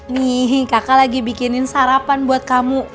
nih kakak lagi bikinin sarapan buat kamu